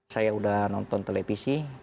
saya udah nonton televisi